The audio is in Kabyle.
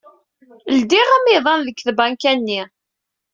Ledyeɣ amiḍan deg tbanka-nni.